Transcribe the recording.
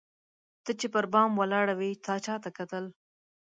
ته چي پر بام ولاړه وې تا چاته کتل؟